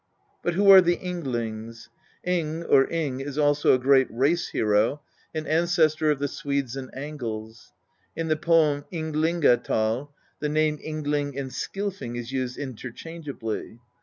But who are the Ynglings ? Ing or Yng is also a great race hero, and ancestor of the Swedes and Angles. In the poem Ynglinga tal, the name Yngling and Skilfing is used interchangeably.